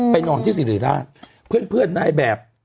นอนที่สิริราชเพื่อนนายแบบ